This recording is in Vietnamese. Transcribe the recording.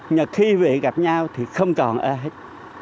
nhờ khi về gặp nhau thì không còn ai hết